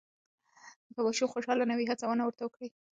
که ماشوم خوشحاله نه وي، هڅونه ورته وکړئ.